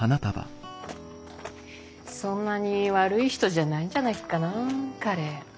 そんなに悪い人じゃないんじゃないかなあ彼。